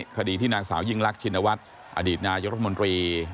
คดีที่นางสาวยิ่งรักชินวัฒน์อดีตนายกรัฐมนตรี